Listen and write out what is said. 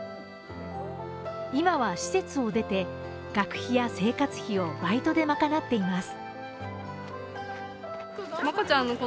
今は施設を出て、学費や生活費をバイトでまかなっています。